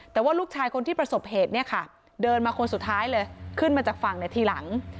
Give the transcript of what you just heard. แต่ว่าลูกชายคนที่ประสบเหตุเนี่ยค่ะเดินมาคนสุดท้ายเลยขึ้นมาจากฝั่งในทีหลัง